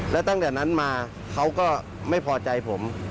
แล้วตั้งแต่นั้นมาเขาก็ไม่พอใจผม